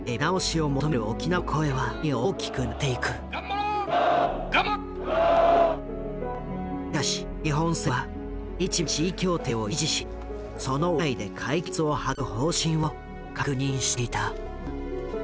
しかし日本政府は日米地位協定を維持しその枠内で解決を図る方針を確認していた。